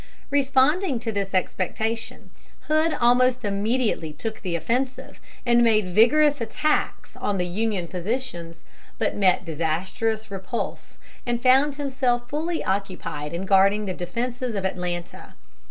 Responding to this expectation, Hood almost immediately took the offensive, and made vigorous attacks on the Union positions, but met disastrous repulse, and found himself fully occupied in guarding the defenses of Atlanta.